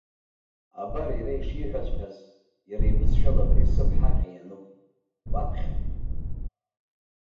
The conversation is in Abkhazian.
Абар иара ишиҳәаҵәҟьаз, иара ибызшәала абри асып-ҳаҟьа иануп, уаԥхьа.